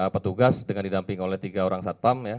petugas dengan didamping oleh tiga orang satpam